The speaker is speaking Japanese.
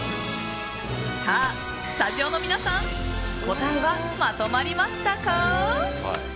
さあ、スタジオの皆さん答えはまとまりましたか？